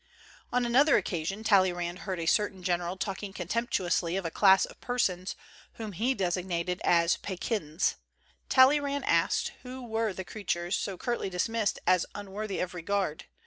On another occasion Talleyrand heard a cer tain general talking contemptuously of a class of persons whom he designated as pekins. Talleyrand asked who were the creatures so curtly dismissed as unworthy of regard.